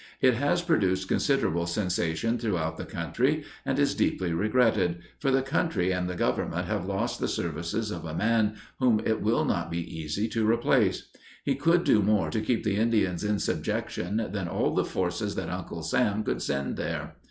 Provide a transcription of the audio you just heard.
It has produced considerable sensation throughout the country and is deeply regretted, for the country and the government have lost the services of a man whom it will not be easy to replace. He could do more to keep the Indians in subjection than all the forces that Uncle Sam could send here.